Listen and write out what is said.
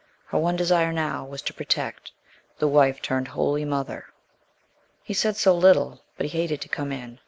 Her one desire now was to protect. The wife turned wholly mother. He said so little, but he hated to come in.